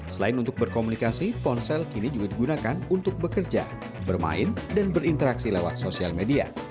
selain untuk berkomunikasi ponsel kini juga digunakan untuk bekerja bermain dan berinteraksi lewat sosial media